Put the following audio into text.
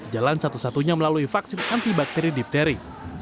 jalan satu satunya melalui vaksin antibakteri dipteri